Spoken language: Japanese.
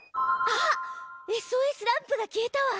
あっＳＯＳランプが消えたわ！